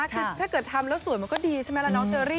คือถ้าเกิดทำแล้วสวยมันก็ดีใช่ไหมล่ะน้องเชอรี่